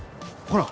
ほら！